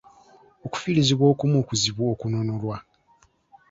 Okufiirizibwa okumu kuzibu okununulwa.